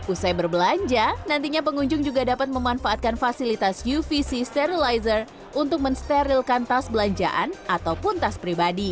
usai berbelanja nantinya pengunjung juga dapat memanfaatkan fasilitas uvc sterilizer untuk mensterilkan tas belanjaan ataupun tas pribadi